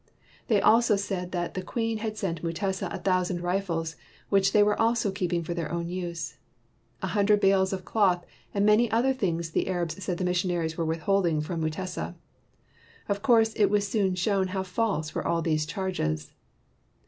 They also said that the Queen had sent Mutesa a thousand rifles, which they were also keeping for their own use. A hundred bales of cloth and many other things the Arabs said the missionaries were withholding from Mutesa. Of course, it was soon shown how false were all these charges.